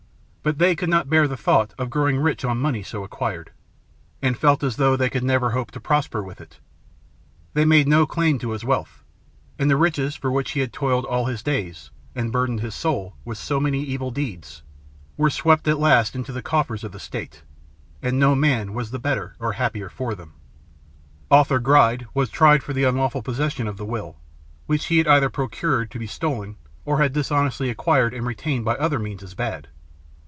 But they could not bear the thought of growing rich on money so acquired, and felt as though they could never hope to prosper with it. They made no claim to his wealth; and the riches for which he had toiled all his days, and burdened his soul with so many evil deeds, were swept at last into the coffers of the state, and no man was the better or the happier for them. Arthur Gride was tried for the unlawful possession of the will, which he had either procured to be stolen, or had dishonestly acquired and retained by other means as bad.